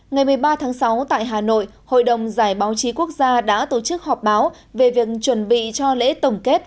ngày một mươi ba tháng sáu tại hà nội hội đồng giải báo chí quốc gia đã tổ chức họp báo về việc chuẩn bị cho lễ tổng kết